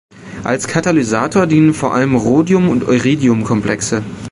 Als Katalysator dienen vor allem Rhodium- und Iridium-Komplexe.